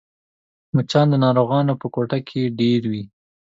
مچان د ناروغانو په کوټه کې ډېر وي